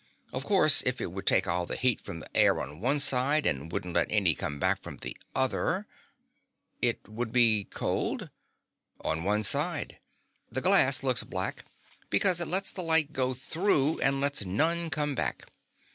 Of course if it would take all the heat from the air on one side and wouldn't let any come back from the other " "It would be cold?" "On one side. The glass looks black because it lets the light go through and lets none come back.